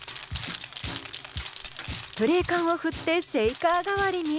スプレー缶を振ってシェーカー代わりに。